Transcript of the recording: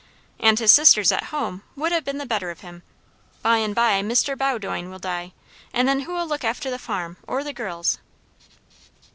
"And his sisters at home would ha' been the better of him. By and by Mr. Bowdoin will die; and then who'll look after the farm, or the girls?"